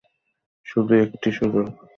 শুধু একটি সুযোগ!